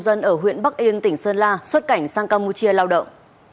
dân ở huyện bắc yên tỉnh sơn la xuất cảnh sang campuchia lao động